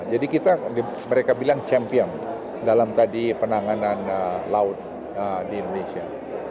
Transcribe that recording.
jadi kita mereka bilang champion dalam tadi penanganan laut di indonesia